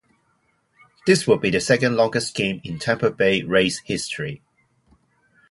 This would be the second longest game in Tampa Bay Rays history.